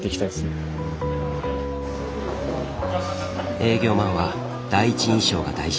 営業マンは第一印象が大事。